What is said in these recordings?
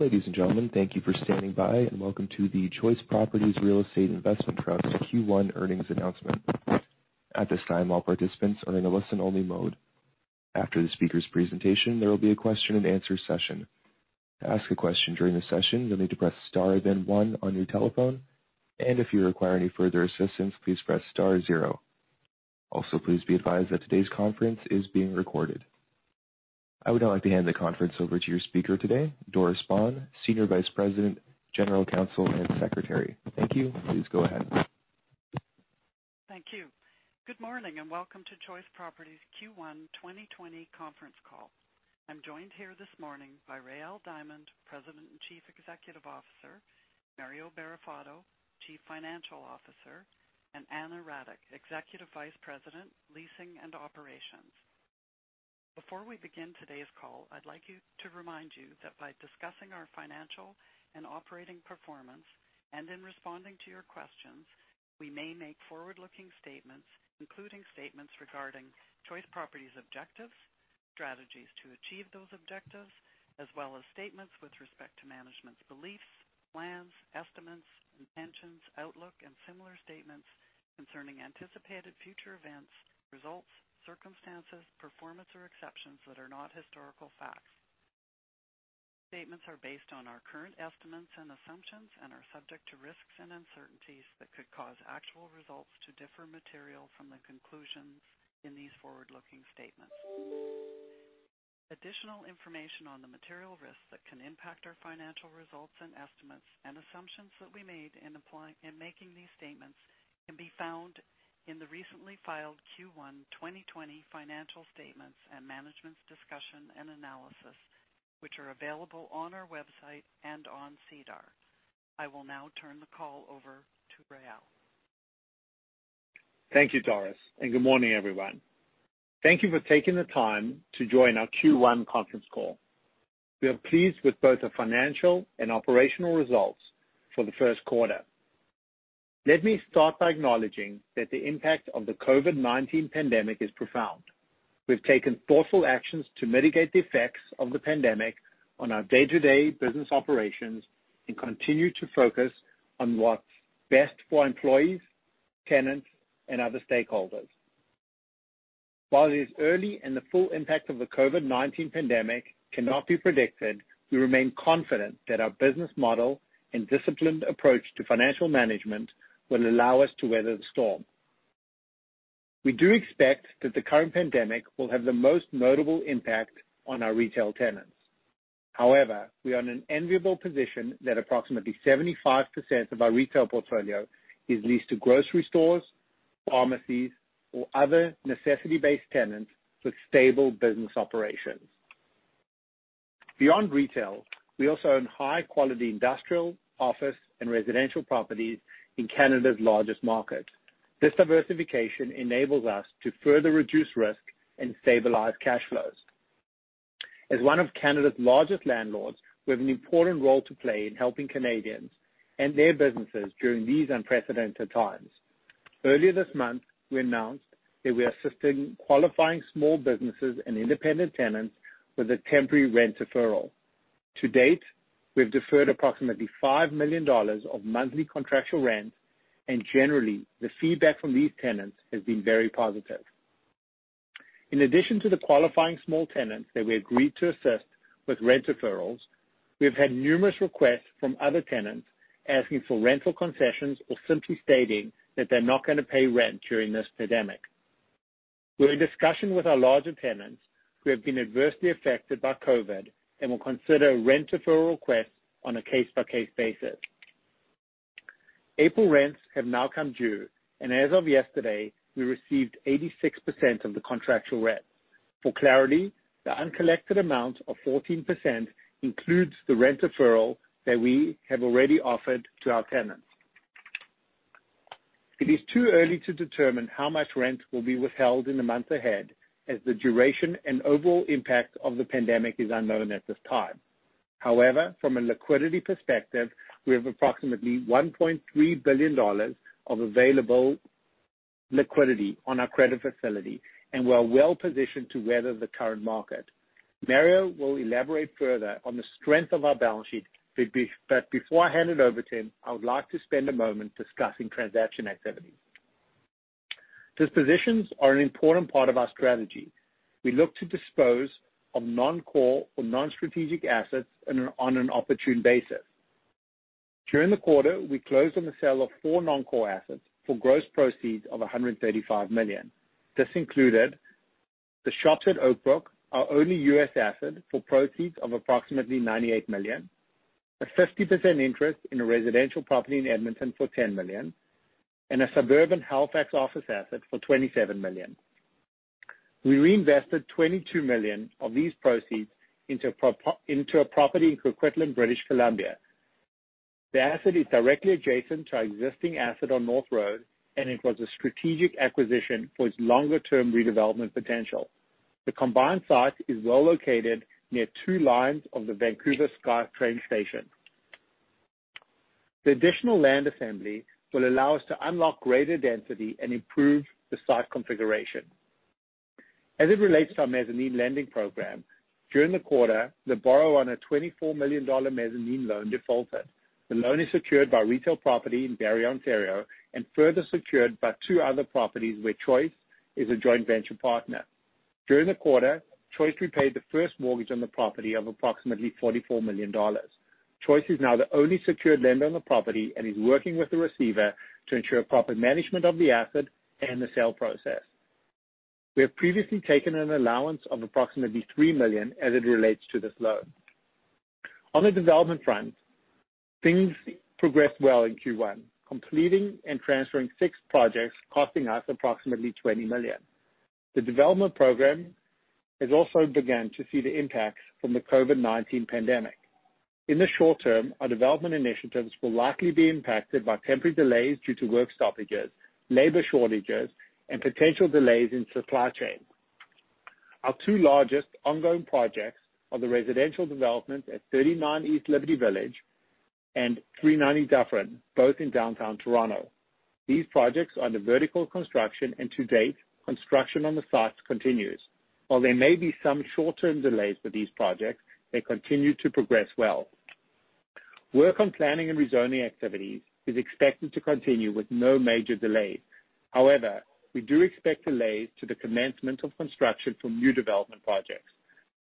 Ladies and gentlemen, thank you for standing by and welcome to the Choice Properties Real Estate Investment Trust Q1 Earnings Announcement. At this time, all participants are in a listen-only mode. After the speaker's presentation, there will be a question and answer session. To ask a question during the session, you'll need to press star, then one on your telephone. If you require any further assistance, please press star zero. Please be advised that today's conference is being recorded. I would now like to hand the conference over to your speaker today, Doris Spahn, Senior Vice President, General Counsel, and Secretary. Thank you. Please go ahead. Thank you. Good morning, and welcome to Choice Properties Q1 2020 conference call. I'm joined here this morning by Rael Diamond, President and Chief Executive Officer, Mario Barrafato, Chief Financial Officer, and Ana Radic, Executive Vice President, Leasing and Operations. Before we begin today's call, I'd like to remind you that by discussing our financial and operating performance, and in responding to your questions, we may make forward-looking statements, including statements regarding Choice Properties objectives, strategies to achieve those objectives, as well as statements with respect to management's beliefs, plans, estimates, intentions, outlook, and similar statements concerning anticipated future events, results, circumstances, performance, or expectations that are not historical facts. Statements are based on our current estimates and assumptions and are subject to risks and uncertainties that could cause actual results to differ material from the conclusions in these forward-looking statements. Additional information on the material risks that can impact our financial results and estimates and assumptions that we made in making these statements can be found in the recently filed Q1 2020 financial statements and management's discussion and analysis, which are available on our website and on SEDAR. I will now turn the call over to Rael. Thank you, Doris. Good morning, everyone. Thank you for taking the time to join our Q1 conference call. We are pleased with both the financial and operational results for the first quarter. Let me start by acknowledging that the impact of the COVID-19 pandemic is profound. We've taken thoughtful actions to mitigate the effects of the pandemic on our day-to-day business operations and continue to focus on what's best for employees, tenants, and other stakeholders. While it is early and the full impact of the COVID-19 pandemic cannot be predicted, we remain confident that our business model and disciplined approach to financial management will allow us to weather the storm. We do expect that the current pandemic will have the most notable impact on our retail tenants. However, we are in an enviable position that approximately 75% of our retail portfolio is leased to grocery stores, pharmacies, or other necessity-based tenants with stable business operations. Beyond retail, we also own high-quality industrial, office, and residential properties in Canada's largest market. This diversification enables us to further reduce risk and stabilize cash flows. As one of Canada's largest landlords, we have an important role to play in helping Canadians and their businesses during these unprecedented times. Earlier this month, we announced that we are assisting qualifying small businesses and independent tenants with a temporary rent deferral. To date, we've deferred approximately 5 million dollars of monthly contractual rent, and generally, the feedback from these tenants has been very positive. In addition to the qualifying small tenants that we agreed to assist with rent deferrals, we have had numerous requests from other tenants asking for rental concessions or simply stating that they're not going to pay rent during this pandemic. We're in discussion with our larger tenants who have been adversely affected by COVID-19 and will consider a rent deferral request on a case-by-case basis. April rents have now come due, and as of yesterday, we received 86% of the contractual rent. For clarity, the uncollected amount of 14% includes the rent deferral that we have already offered to our tenants. It is too early to determine how much rent will be withheld in the months ahead as the duration and overall impact of the pandemic is unknown at this time. From a liquidity perspective, we have approximately 1.3 billion dollars of available liquidity on our credit facility, and we are well positioned to weather the current market. Mario will elaborate further on the strength of our balance sheet, but before I hand it over to him, I would like to spend a moment discussing transaction activity. Dispositions are an important part of our strategy. We look to dispose of non-core or non-strategic assets on an opportune basis. During the quarter, we closed on the sale of four non-core assets for gross proceeds of 135 million. This included The Shops at Oakbrook Place, our only U.S. asset, for proceeds of approximately 98 million, a 50% interest in a residential property in Edmonton for 10 million, and a suburban Halifax office asset for 27 million. We reinvested 22 million of these proceeds into a property in Coquitlam, British Columbia. The asset is directly adjacent to our existing asset on North Road, and it was a strategic acquisition for its longer-term redevelopment potential. The combined site is well located near two lines of the Vancouver SkyTrain station. The additional land assembly will allow us to unlock greater density and improve the site configuration. As it relates to our mezzanine lending program, during the quarter, the borrower on a 24 million dollar mezzanine loan defaulted. The loan is secured by retail property in Barrie, Ontario, and further secured by two other properties where Choice is a joint venture partner. During the quarter, Choice repaid the first mortgage on the property of approximately 44 million dollars. Choice is now the only secured lender on the property and is working with the receiver to ensure proper management of the asset and the sale process. We have previously taken an allowance of approximately 3 million as it relates to this loan. On the development front, things progressed well in Q1, completing and transferring six projects costing us approximately 20 million. The development program has also begun to see the impacts from the COVID-19 pandemic. In the short term, our development initiatives will likely be impacted by temporary delays due to work stoppages, labor shortages, and potential delays in supply chain. Our two largest ongoing projects are the residential development at 39 East Liberty Street and 390 Dufferin Street, both in downtown Toronto. These projects are under vertical construction, and to date, construction on the sites continues. While there may be some short-term delays for these projects, they continue to progress well. Work on planning and rezoning activities is expected to continue with no major delays. However, we do expect delays to the commencement of construction for new development projects.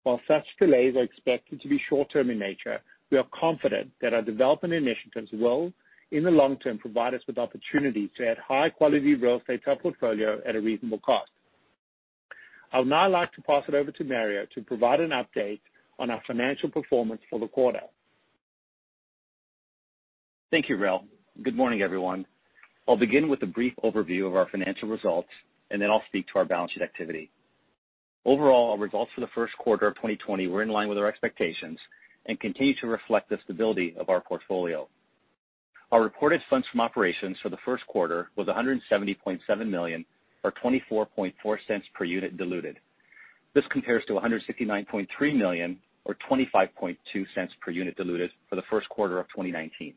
While such delays are expected to be short-term in nature, we are confident that our development initiatives will, in the long term, provide us with opportunities to add high-quality real estate to our portfolio at a reasonable cost. I would now like to pass it over to Mario to provide an update on our financial performance for the quarter. Thank you, Rael. Good morning, everyone. I'll begin with a brief overview of our financial results, and then I'll speak to our balance sheet activity. Overall, our results for the first quarter of 2020 were in line with our expectations and continue to reflect the stability of our portfolio. Our reported funds from operations for the first quarter was 170.7 million or 0.244 per unit diluted. This compares to 169.3 million, or 0.252 per unit diluted for the first quarter of 2019.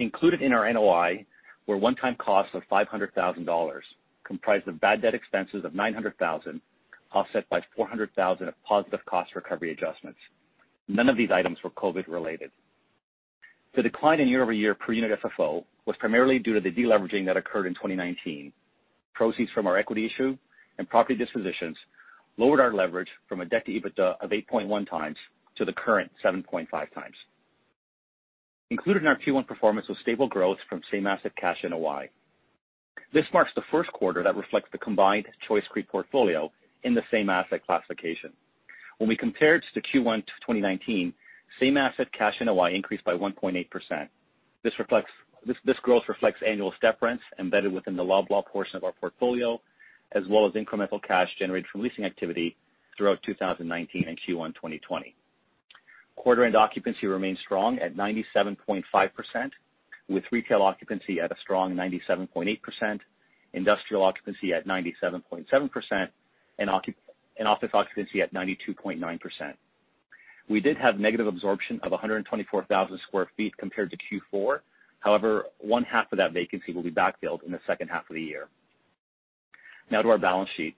Included in our NOI were one-time costs of 500,000 dollars, comprised of bad debt expenses of 900,000, offset by 400,000 of positive cost recovery adjustments. None of these items were COVID related. The decline in year-over-year per unit FFO was primarily due to the deleveraging that occurred in 2019. Proceeds from our equity issue and property dispositions lowered our leverage from a debt to EBITDA of 8.1x to the current 7.5x. Included in our Q1 performance was stable growth from same asset cash NOI. This marks the first quarter that reflects the combined Choice CREIT portfolio in the same asset classification. When we compare it to Q1 2019, same asset cash NOI increased by 1.8%. This growth reflects annual step rents embedded within the Loblaw portion of our portfolio, as well as incremental cash generated from leasing activity throughout 2019 and Q1 2020. Quarter-end occupancy remains strong at 97.5%, with retail occupancy at a strong 97.8%, industrial occupancy at 97.7%, and office occupancy at 92.9%. We did have negative absorption of 124,000 sq ft compared to Q4. However, 1/2 of that vacancy will be backfilled in the second half of the year. Now to our balance sheet.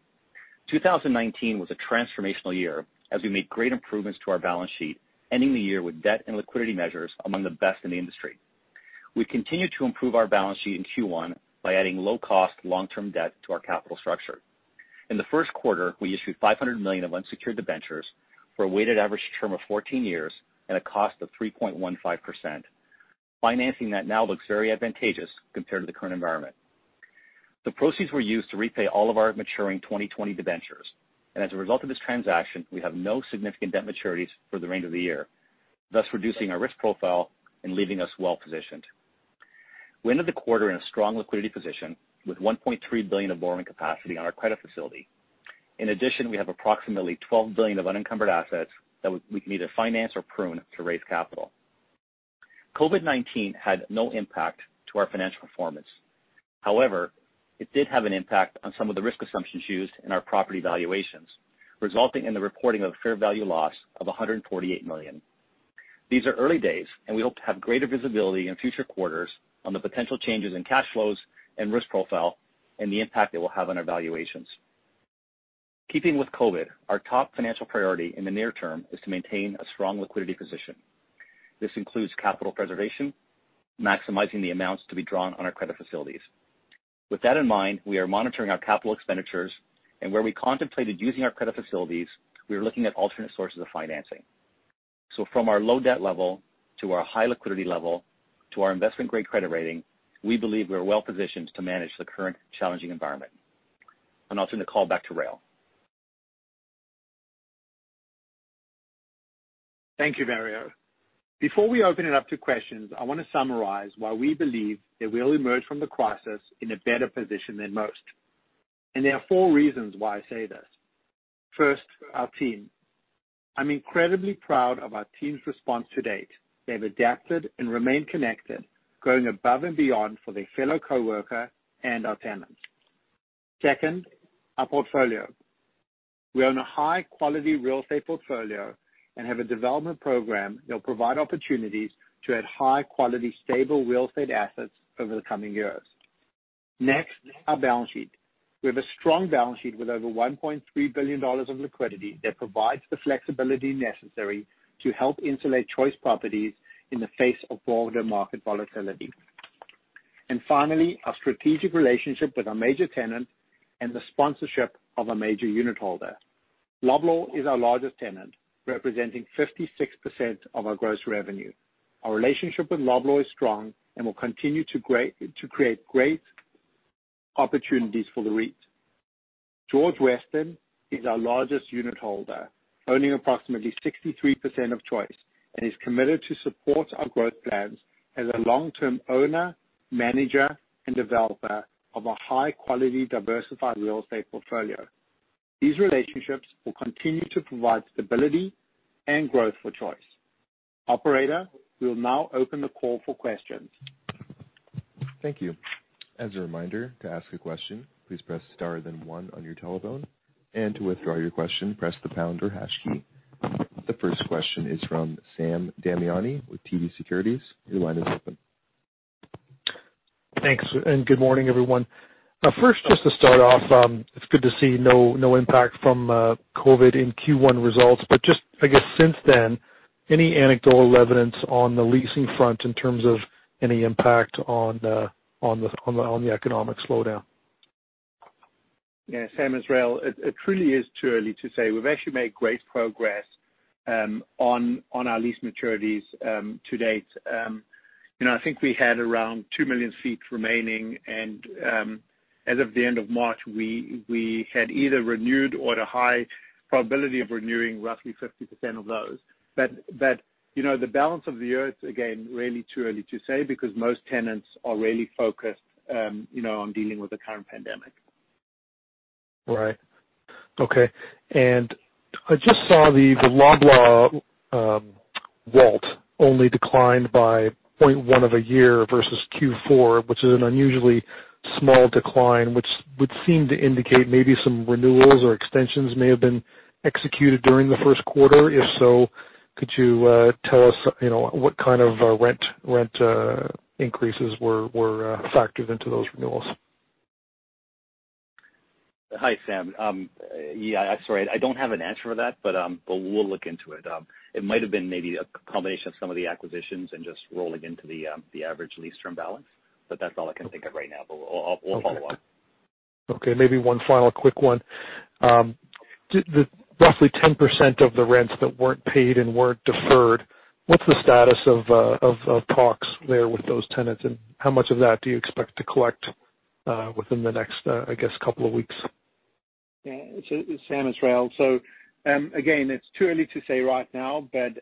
2019 was a transformational year as we made great improvements to our balance sheet, ending the year with debt and liquidity measures among the best in the industry. We continued to improve our balance sheet in Q1 by adding low-cost long-term debt to our capital structure. In the first quarter, we issued 500 million of unsecured debentures for a weighted average term of 14 years at a cost of 3.15%, financing that now looks very advantageous compared to the current environment. The proceeds were used to repay all of our maturing 2020 debentures. As a result of this transaction, we have no significant debt maturities for the remainder of the year, thus reducing our risk profile and leaving us well-positioned. We ended the quarter in a strong liquidity position with 1.3 billion of borrowing capacity on our credit facility. In addition, we have approximately 12 billion of unencumbered assets that we can either finance or prune to raise capital. COVID-19 had no impact to our financial performance. However, it did have an impact on some of the risk assumptions used in our property valuations, resulting in the reporting of a fair value loss of 148 million. These are early days, and we hope to have greater visibility in future quarters on the potential changes in cash flows and risk profile and the impact it will have on our valuations. Keeping with COVID, our top financial priority in the near term is to maintain a strong liquidity position. This includes capital preservation, maximizing the amounts to be drawn on our credit facilities. With that in mind, we are monitoring our capital expenditures, and where we contemplated using our credit facilities, we are looking at alternate sources of financing. From our low debt level to our high liquidity level to our investment-grade credit rating, we believe we are well-positioned to manage the current challenging environment. I'll turn the call back to Rael. Thank you, Mario. Before we open it up to questions, I want to summarize why we believe that we will emerge from the crisis in a better position than most. There are four reasons why I say this. First, our team. I am incredibly proud of our team's response to date. They have adapted and remained connected, going above and beyond for their fellow coworker and our tenants. Second, our portfolio. We own a high-quality real estate portfolio and have a development program that will provide opportunities to add high-quality, stable real estate assets over the coming years. Next, our balance sheet. We have a strong balance sheet with over 1.3 billion dollars of liquidity that provides the flexibility necessary to help insulate Choice Properties in the face of broader market volatility. Finally, our strategic relationship with our major tenant and the sponsorship of our major unitholder. Loblaw is our largest tenant, representing 56% of our gross revenue. Our relationship with Loblaw is strong and will continue to create great opportunities for the REIT. George Weston is our largest unitholder, owning approximately 63% of Choice, and is committed to support our growth plans as a long-term owner, manager, and developer of a high-quality, diversified real estate portfolio. These relationships will continue to provide stability and growth for Choice. Operator, we'll now open the call for questions. Thank you. As a reminder, to ask a question, please press star then one on your telephone, and to withdraw your question, press the pound or hash key. The first question is from Sam Damiani with TD Securities. Your line is open. Thanks. Good morning, everyone. First, just to start off, it's good to see no impact from COVID in Q1 results. Just, I guess, since then, any anecdotal evidence on the leasing front in terms of any impact on the economic slowdown? Yeah. Sam, it's Rael. It truly is too early to say. We've actually made great progress on our lease maturities to date. I think we had around 2 million ft remaining, and as of the end of March, we had either renewed or at a high probability of renewing roughly 50% of those. The balance of the year, it's again, really too early to say because most tenants are really focused on dealing with the current pandemic. Right. Okay. I just saw the Loblaw WALT only declined by 0.1 of a year versus Q4, which is an unusually small decline, which would seem to indicate maybe some renewals or extensions may have been executed during the first quarter. If so, could you tell us what kind of rent increases were factored into those renewals? Hi, Sam. Yeah, sorry, I don't have an answer for that, but we'll look into it. It might have been maybe a combination of some of the acquisitions and just rolling into the average lease term balance, but that's all I can think of right now, but we'll follow up. Okay. Maybe one final quick one. Roughly 10% of the rents that weren't paid and weren't deferred, what's the status of talks there with those tenants, and how much of that do you expect to collect within the next, I guess, couple of weeks? Yeah. Sam, it's Rael. Again, it's too early to say right now, but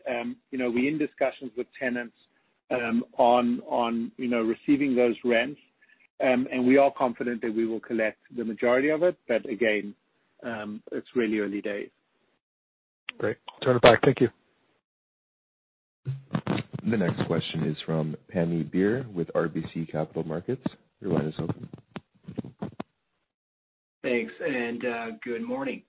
we're in discussions with tenants on receiving those rents, and we are confident that we will collect the majority of it. Again, it's really early days. Great. I'll turn it back. Thank you. The next question is from Pammi Bir with RBC Capital Markets. Your line is open. Thanks, and good morning.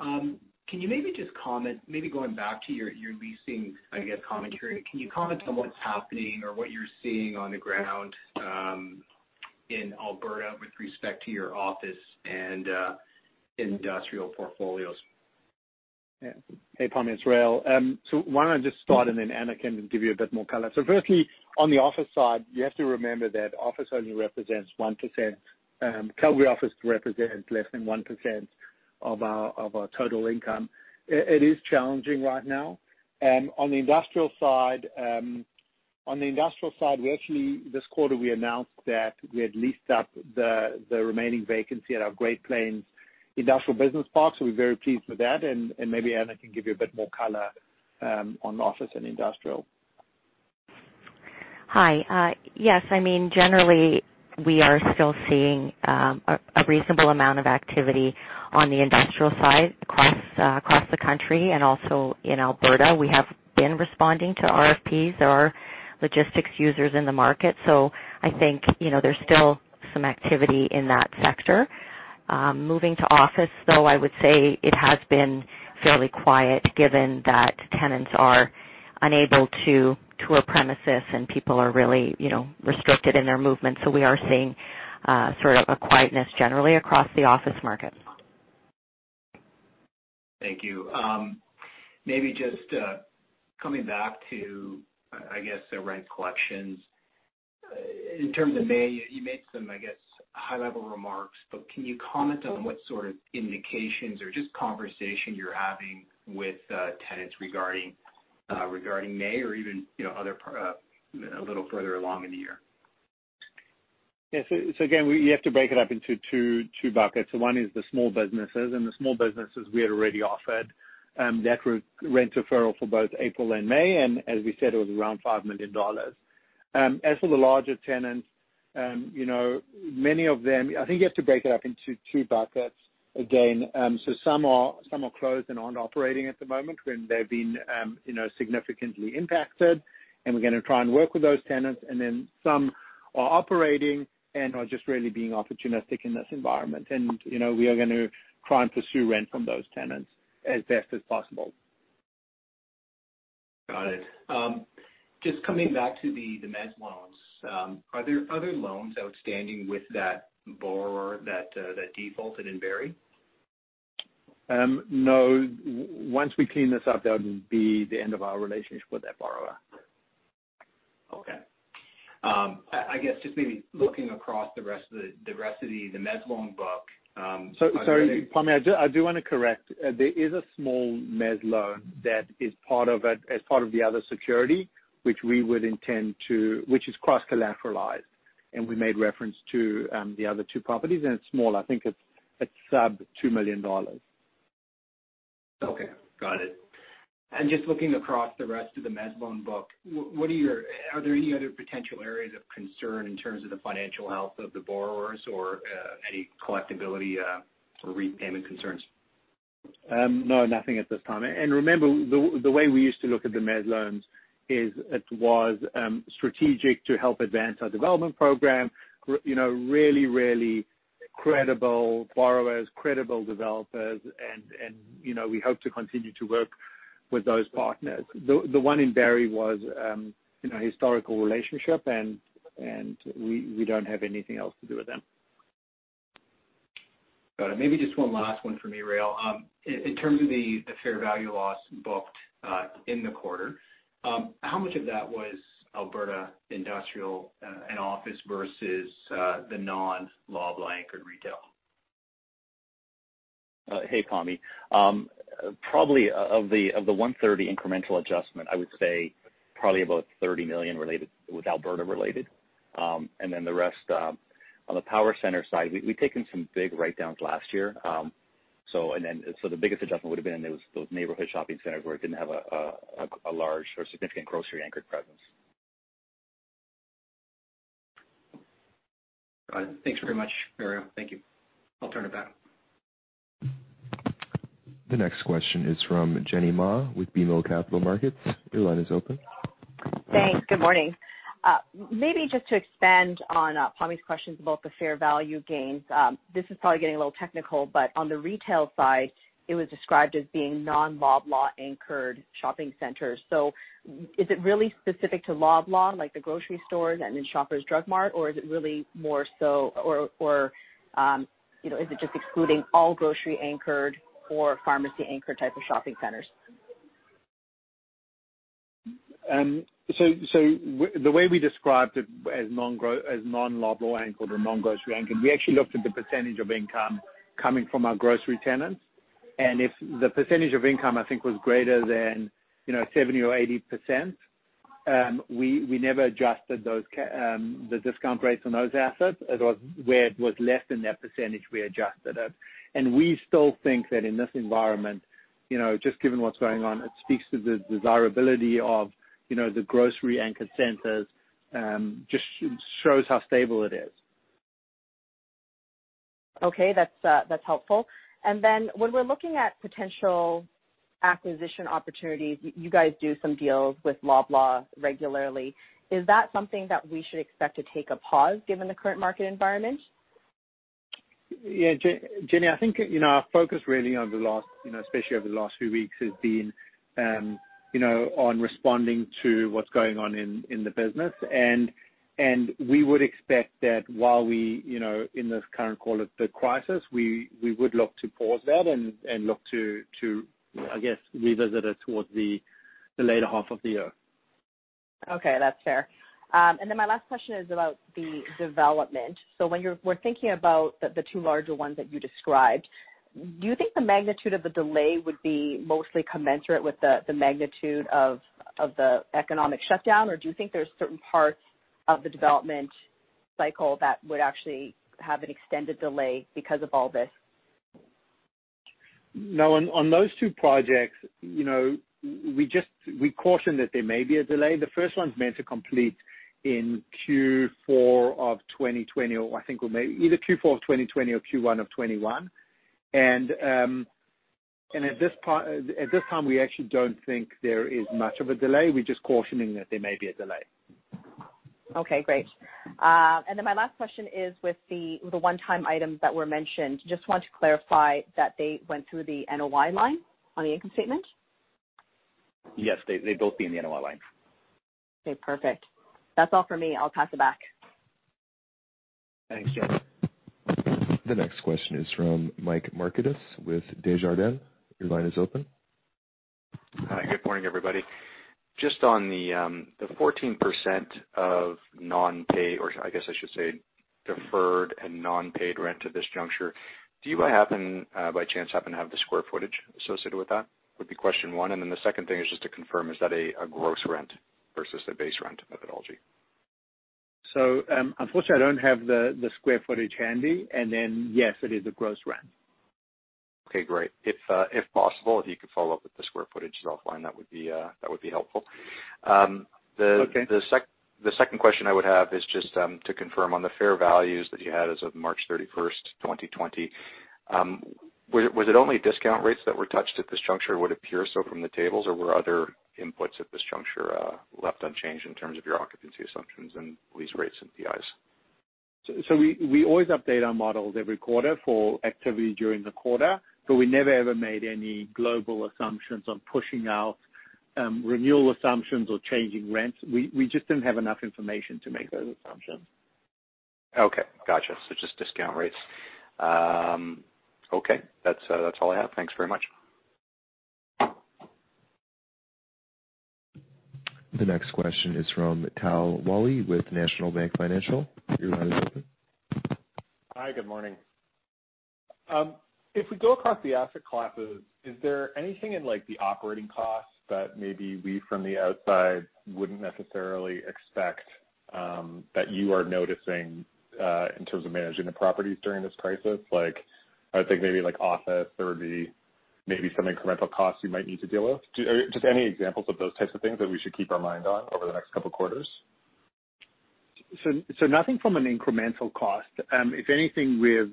Can you maybe just comment, maybe going back to your leasing, I guess, commentary. Can you comment on what's happening or what you're seeing on the ground in Alberta with respect to your office and industrial portfolios? Yeah. Hey, Pammi, it's Rael. Why don't I just start, and then Ana can give you a bit more color. Firstly, on the office side, you have to remember that office only represents 1%. Calgary office represents less than 1% of our total income. It is challenging right now. On the industrial side, we actually, this quarter, we announced that we had leased up the remaining vacancy at our Great Plains Business Park. We're very pleased with that. Maybe Ana can give you a bit more color on office and industrial. Hi. Yes, I mean, generally, we are still seeing a reasonable amount of activity on the industrial side across the country and also in Alberta. We have been responding to RFPs. There are logistics users in the market, so I think there's still some activity in that sector. Moving to office, though, I would say it has been fairly quiet given that tenants are unable to tour premises and people are really restricted in their movement. We are seeing sort of a quietness generally across the office market. Thank you. Maybe just coming back to, I guess, the rent collections. In terms of May, you made some, I guess, high-level remarks, but can you comment on what sort of indications or just conversation you're having with tenants regarding May or even a little further along in the year? Yeah. Again, you have to break it up into two buckets. One is the small businesses. The small businesses we had already offered that rent referral for both April and May, and as we said, it was around 5 million dollars. As for the larger tenants, many of them, I think you have to break it up into two buckets again. Some are closed and aren't operating at the moment when they've been significantly impacted, and we're going to try and work with those tenants. Some are operating and are just really being opportunistic in this environment. We are going to try and pursue rent from those tenants as best as possible. Got it. Just coming back to the mezz loans. Are there other loans outstanding with that borrower that defaulted in Barrie? No. Once we clean this up, that would be the end of our relationship with that borrower. Okay. I guess just maybe looking across the rest of the mezz loan book- Sorry, Pammi, I do want to correct. There is a small mezz loan that is part of the other security, which is cross-collateralized. We made reference to the other two properties. It's small. I think it's sub 2 million dollars. Okay. Got it. Just looking across the rest of the mezz loan book, are there any other potential areas of concern in terms of the financial health of the borrowers or any collectability or repayment concerns? No, nothing at this time. Remember, the way we used to look at the mezz loans is it was strategic to help advance our development program. Really credible borrowers, credible developers, and we hope to continue to work with those partners. The one in Barrie was a historical relationship, and we don't have anything else to do with them. Got it. Maybe just one last one for me, Rael. In terms of the fair value loss booked, in the quarter, how much of that was Alberta industrial and office versus the non-Loblaw anchored retail? Hey, Pammi. Probably of the 130 million incremental adjustment, I would say probably about 30 million was Alberta related. The rest, on the power center side, we'd taken some big write-downs last year. The biggest adjustment would've been in those neighborhood shopping centers where it didn't have a large or significant grocery-anchored presence. Got it. Thanks very much, Rael. Thank you. I'll turn it back. The next question is from Jenny Ma with BMO Capital Markets. Your line is open. Thanks. Good morning. Maybe just to expand on Pammi's questions about the fair value gains. This is probably getting a little technical, but on the retail side, it was described as being non-Loblaw anchored shopping centers. Is it really specific to Loblaw, like the grocery stores and then Shoppers Drug Mart, or is it just excluding all grocery anchored or pharmacy anchored type of shopping centers? The way we described it as non-Loblaw-anchored or non-grocery-anchored, we actually looked at the percentage of income coming from our grocery tenants. If the percentage of income, I think, was greater than 70% or 80%, we never adjusted the discount rates on those assets. It was where it was less than that percentage, we adjusted it. We still think that in this environment, just given what's going on, it speaks to the desirability of the grocery-anchored centers, just shows how stable it is. Okay. That's helpful. When we're looking at potential acquisition opportunities, you guys do some deals with Loblaw regularly. Is that something that we should expect to take a pause given the current market environment? Yeah, Jenny, I think our focus really, especially over the last few weeks, has been on responding to what's going on in the business. We would expect that while we, in this current, call it the crisis, we would look to pause that and look to, I guess, revisit it towards the later half of the year. Okay. That's fair. My last question is about the development. When we're thinking about the two larger ones that you described, do you think the magnitude of the delay would be mostly commensurate with the magnitude of the economic shutdown, or do you think there's certain parts of the development cycle that would actually have an extended delay because of all this? No, on those two projects, we cautioned that there may be a delay. The first one's meant to complete in Q4 of 2020, or I think either Q4 of 2020 or Q1 of 2021. At this time, we actually don't think there is much of a delay. We're just cautioning that there may be a delay. Okay, great. My last question is with the one-time items that were mentioned, just want to clarify that they went through the NOI line on the income statement? Yes. They both be in the NOI line. Okay, perfect. That's all for me. I'll pass it back. Thanks, Jenny. The next question is from Mike Markidis with Desjardins. Your line is open. Hi. Good morning, everybody. Just on the 14% of non-pay, or I guess I should say deferred and non-paid rent at this juncture, do you by chance happen to have the square footage associated with that? Would be question one. The second thing is just to confirm, is that a gross rent versus a base rent methodology? Unfortunately, I don't have the square footage handy. Yes, it is a gross rent. Okay, great. If possible, if you could follow up with the square footage offline, that would be helpful. Okay. The second question I would have is just to confirm on the fair values that you had as of March 31st, 2020. Was it only discount rates that were touched at this juncture, would appear so from the tables, or were other inputs at this juncture left unchanged in terms of your occupancy assumptions and lease rates and PIs? We always update our models every quarter for activity during the quarter, but we never ever made any global assumptions on pushing out renewal assumptions or changing rents. We just didn't have enough information to make those assumptions. Okay. Got you. Just discount rates. Okay. That's all I have. Thanks very much. The next question is from Tal Woolley with National Bank Financial. Your line is open. Hi, good morning. If we go across the asset classes, is there anything in the operating costs that maybe we from the outside wouldn't necessarily expect that you are noticing in terms of managing the properties during this crisis? I would think maybe office there would be maybe some incremental costs you might need to deal with. Just any examples of those types of things that we should keep our mind on over the next couple of quarters? Nothing from an incremental cost. If anything, we've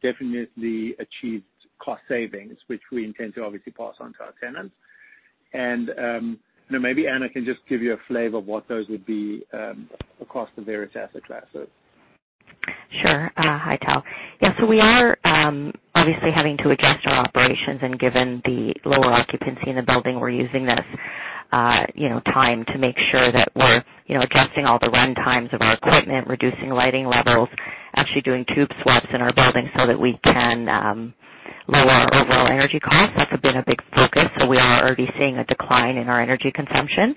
definitely achieved cost savings, which we intend to obviously pass on to our tenants. Maybe Ana can just give you a flavor of what those would be across the various asset classes. Sure. Hi, Tal. Yeah, we are obviously having to adjust our operations, and given the lower occupancy in the building, we're using this time to make sure that we're adjusting all the run times of our equipment, reducing lighting levels, actually doing tube swaps in our building so that we can lower our overall energy costs. That's been a big focus. We are already seeing a decline in our energy consumption.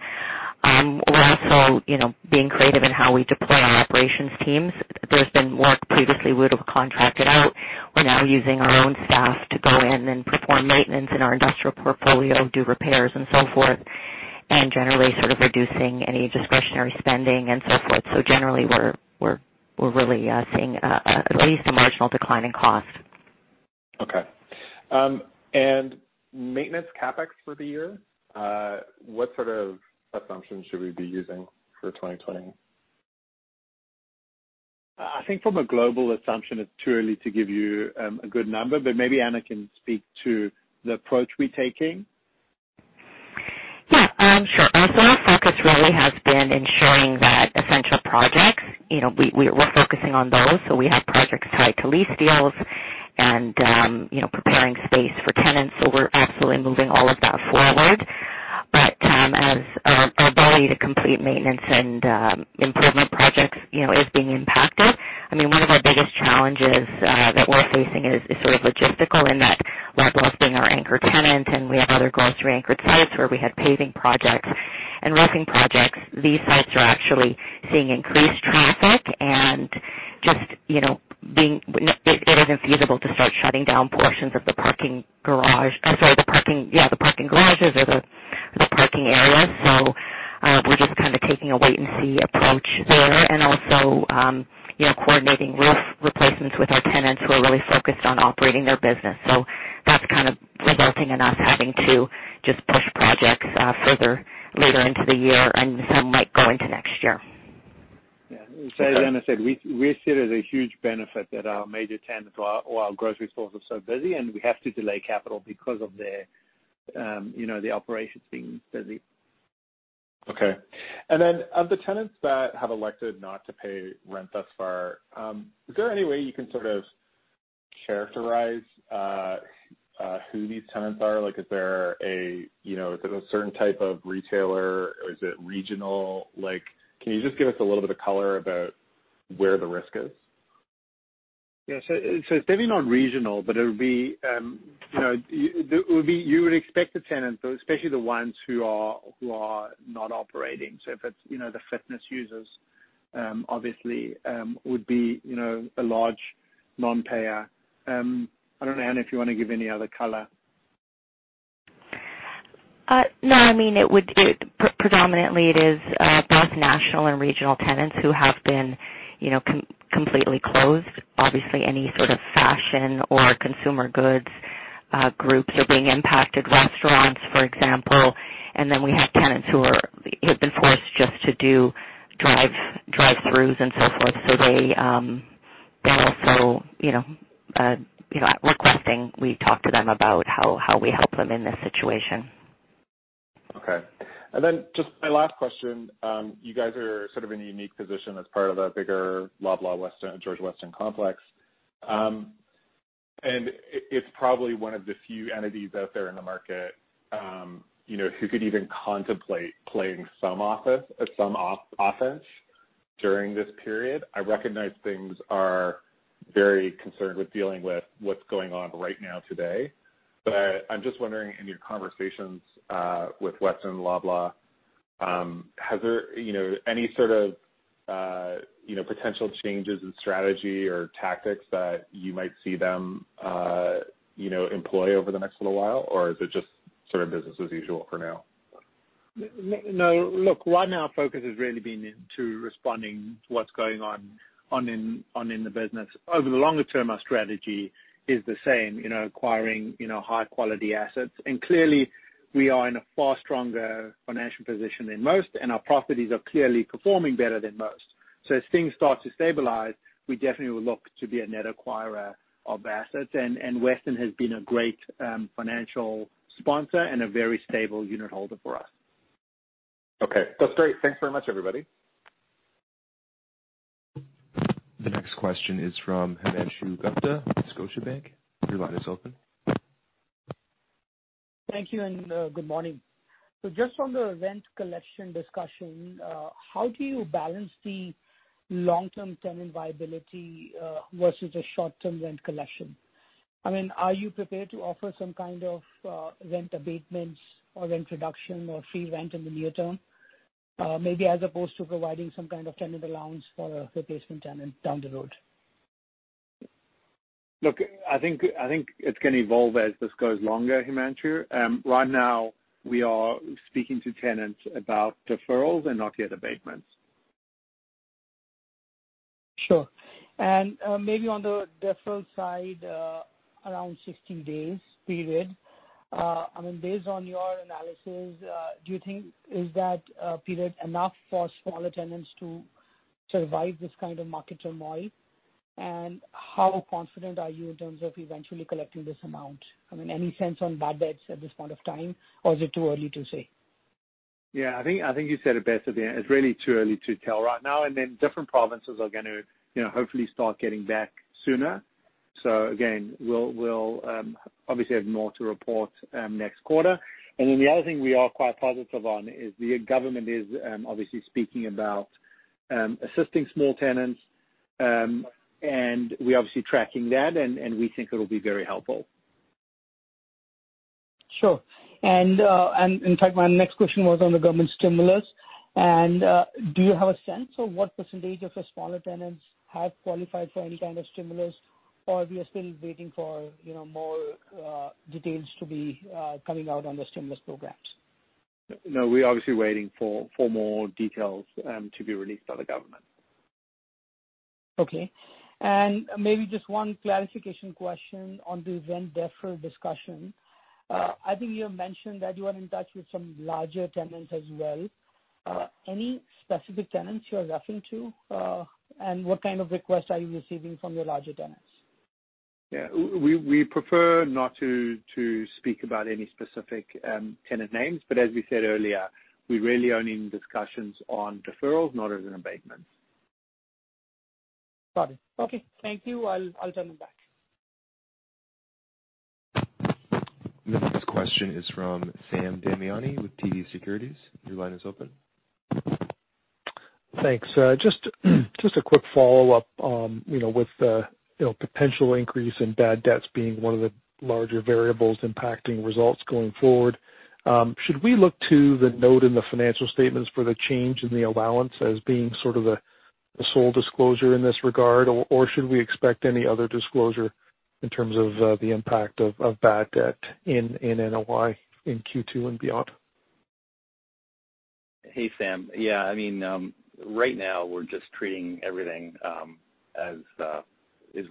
We're also being creative in how we deploy our operations teams. There's been work previously we would have contracted out. We're now using our own staff to go in and perform maintenance in our industrial portfolio, do repairs and so forth, and generally sort of reducing any discretionary spending and so forth. Generally we're really seeing at least a marginal decline in cost. Okay. Maintenance CapEx for the year, what sort of assumptions should we be using for 2020? I think from a global assumption, it's too early to give you a good number, but maybe Ana can speak to the approach we're taking. Yeah. Sure. Our focus really has been ensuring that essential projects, we're focusing on those. We have projects tied to lease deals and preparing space for tenants. We're absolutely moving all of that forward. As our ability to complete maintenance and improvement projects is being impacted, one of our biggest challenges that we're facing is sort of logistical in that Loblaw being our anchor tenant, and we have other grocery anchored sites where we had paving projects and roofing projects. These sites are actually seeing increased traffic and it isn't feasible to start shutting down portions of the parking garages or the parking areas. We're just kind of taking a wait and see approach there and also coordinating roof replacements with our tenants who are really focused on operating their business. That's kind of resulting in us having to just push projects further later into the year, and some might go into next year. As Ana said, we see it as a huge benefit that our major tenants or our grocery stores are so busy, and we have to delay capital because of the operations being busy. Okay. Then of the tenants that have elected not to pay rent thus far, is there any way you can sort of characterize who these tenants are? Is it a certain type of retailer or is it regional? Can you just give us a little bit of color about where the risk is? It's definitely not regional, but you would expect the tenants, especially the ones who are not operating. If it's the fitness users, obviously would be a large non-payer. I don't know, Ana, if you want to give any other color. No, predominantly it is both national and regional tenants who have been completely closed. Obviously, any sort of fashion or consumer goods groups are being impacted. Restaurants, for example. We have tenants who have been forced just to do drive-throughs and so forth. They're also requesting we talk to them about how we help them in this situation. Okay. Then just my last question. You guys are sort of in a unique position as part of the bigger Loblaw and George Weston complex. It's probably one of the few entities out there in the market who could even contemplate playing some offense during this period. I recognize things are very concerned with dealing with what's going on right now today. I'm just wondering, in your conversations with Weston Loblaw, any sort of potential changes in strategy or tactics that you might see them employ over the next little while? Is it just sort of business as usual for now? No. Look, right now our focus has really been into responding to what's going on in the business. Over the longer term, our strategy is the same. Acquiring high quality assets. Clearly we are in a far stronger financial position than most, and our properties are clearly performing better than most. As things start to stabilize, we definitely will look to be a net acquirer of assets. Weston has been a great financial sponsor and a very stable unit holder for us. Okay. That's great. Thanks very much, everybody. The next question is from Himanshu Gupta, Scotiabank. Your line is open. Thank you, and good morning. Just on the rent collection discussion, how do you balance the long-term tenant viability, versus the short-term rent collection? Are you prepared to offer some kind of rent abatements or rent reduction or free rent in the near term? Maybe as opposed to providing some kind of tenant allowance for a replacement tenant down the road. Look, I think it's going to evolve as this goes longer, Himanshu. Right now we are speaking to tenants about deferrals and not yet abatements. Sure. Maybe on the deferral side, around 60 days period, based on your analysis, do you think is that period enough for smaller tenants to survive this kind of market turmoil? How confident are you in terms of eventually collecting this amount? Any sense on bad debts at this point of time, or is it too early to say? Yeah, I think you said it best at the end. It's really too early to tell right now and then different provinces are going to hopefully start getting back sooner. Again, we'll obviously have more to report next quarter. Then the other thing we are quite positive on is the government is obviously speaking about assisting small tenants. We're obviously tracking that and we think it'll be very helpful. Sure. In fact, my next question was on the government stimulus. Do you have a sense of what percentage of the smaller tenants have qualified for any kind of stimulus, or we are still waiting for more details to be coming out on the stimulus programs? No, we're obviously waiting for more details to be released by the government. Okay. Maybe just one clarification question on the rent deferral discussion. I think you have mentioned that you are in touch with some larger tenants as well. Any specific tenants you are referring to? What kind of requests are you receiving from your larger tenants? Yeah. We prefer not to speak about any specific tenant names, but as we said earlier, we really are only in discussions on deferrals, not as an abatement. Got it. Okay. Thank you. I'll turn it back. The next question is from Sam Damiani with TD Securities. Your line is open. Thanks. Just a quick follow-up on with the potential increase in bad debts being one of the larger variables impacting results going forward. Should we look to the note in the financial statements for the change in the allowance as being sort of the sole disclosure in this regard, or should we expect any other disclosure in terms of the impact of bad debt in NOI in Q2 and beyond? Hey, Sam. Right now we're just treating everything as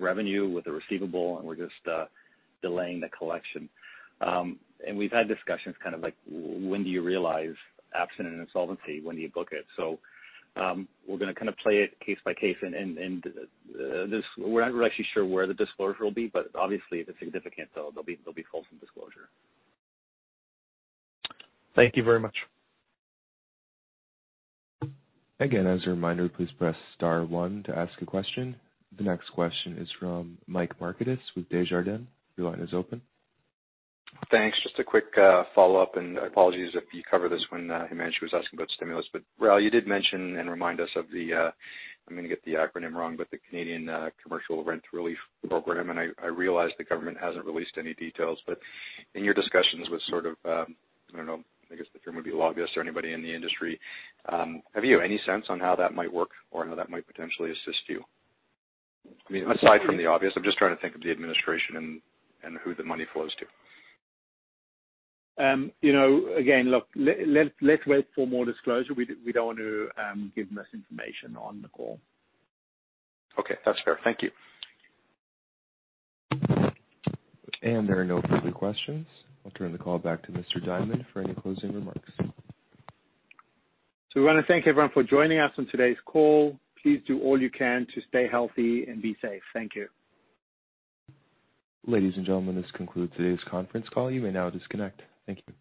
revenue with a receivable, we're just delaying the collection. We've had discussions kind of like, when do you realize absent an insolvency, when do you book it? We're going to kind of play it case by case. We're not actually sure where the disclosure will be, obviously if it's significant, there'll be full disclosure. Thank you very much. Again, as a reminder, please press star one to ask a question. The next question is from Mike Markidis with Desjardins. Your line is open. Thanks. Just a quick follow-up. Apologies if you covered this when Himanshu was asking about stimulus, but Rael, you did mention and remind us I'm going to get the acronym wrong, but the Canada Emergency Commercial Rent Assistance. I realize the government hasn't released any details, but in your discussions with, I don't know, I guess the term would be lobbyists or anybody in the industry, have you any sense on how that might work or how that might potentially assist you? Aside from the obvious, I'm just trying to think of the administration and who the money flows to. Again, look, let's wait for more disclosure. We don't want to give misinformation on the call. Okay. That's fair. Thank you. There are no further questions. I'll turn the call back to Rael Diamond for any closing remarks. We want to thank everyone for joining us on today's call. Please do all you can to stay healthy and be safe. Thank you. Ladies and gentlemen, this concludes today's conference call. You may now disconnect. Thank you.